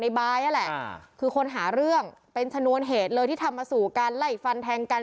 บายนั่นแหละคือคนหาเรื่องเป็นชนวนเหตุเลยที่ทำมาสู่การไล่ฟันแทงกัน